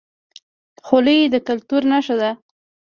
خولۍ د کلتور نښه ده